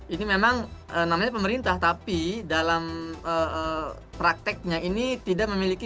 ini memang namanya pemerintah tapi dalam prakteknya ini tidak memiliki